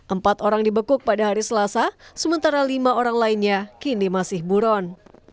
empat orang dibekuk pada hari selasa sementara lima orang lainnya kini masih buron